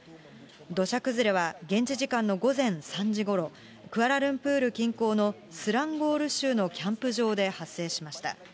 土砂崩れは現地時間の午前３時ごろ、クアラルンプール近郊のスランゴール州のキャンプ場で発生しました。